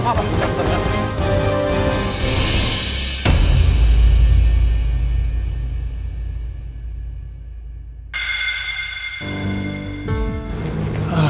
bapak bapak bapak bapak bapak